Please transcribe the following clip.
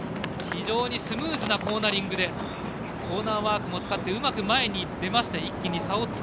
非常にスムーズなコーナリングでコーナーワークも使ってうまく前に出ました。